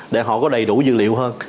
để họ có đầy đủ dữ liệu hơn